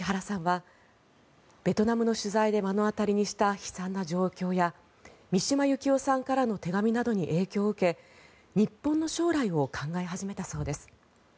石原さんはベトナムの取材で目の当たりにした悲惨な状況や三島由紀夫さんからの手紙などに影響を受け日本の将来を考え始めたそうです。